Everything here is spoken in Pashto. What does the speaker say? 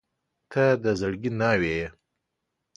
• ته د زړګي ناوې یې.